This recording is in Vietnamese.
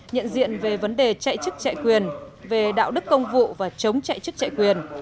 nhận diện về vấn đề chạy chức chạy quyền về đạo đức công vụ và chống chạy chức chạy quyền